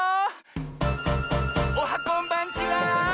おはこんばんちは！